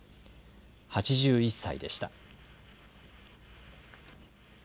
８１歳でした。